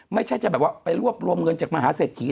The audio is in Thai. ไม่ใช่จะแบบว่าไปรวบรวมเงินจากมหาเศรษฐี